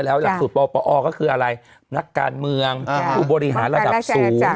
แล้วหลักสูตรปปอก็คืออะไรนักการเมืองผู้บริหารระดับสูง